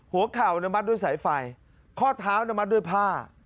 หัวเข่ามัดด้วยสายไฟข้อเท้ามัดด้วยผ้า